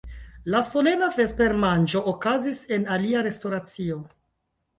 La solena vespermanĝo okazis en alia restoracio.